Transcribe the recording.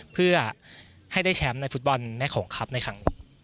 เพื่อให้ได้แชมป์ในฟุตบอลแม่โขงครับในครั้งนี้